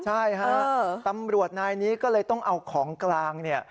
ใช่ฮะตำรวจนายนี้ก็เลยต้องเอาของกลางเนี่ย